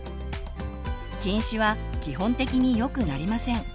近視は基本的によくなりません。